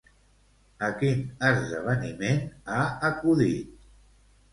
A quin esdeveniment ha acudit?